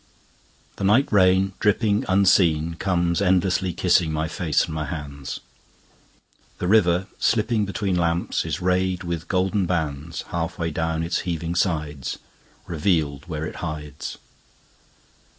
THE NIGHT rain, dripping unseen, Comes endlessly kissing my face and my hands. The river, slipping betweenLamps, is rayed with golden bandsHalf way down its heaving sides; Revealed where it hides.